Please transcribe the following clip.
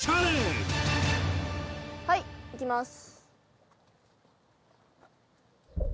はいいきます